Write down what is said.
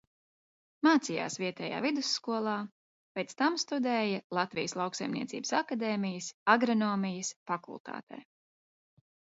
Mācījās vietējā vidusskolā, pēc tam studēja Latvijas Lauksaimniecības akadēmijas Agronomijas fakultātē.